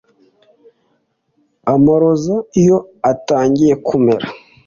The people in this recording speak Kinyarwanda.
amaroza iyo atangiye kumera